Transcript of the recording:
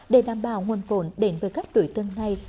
để đảm bảo nguồn phổn đền với các đội tương này